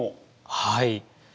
はい。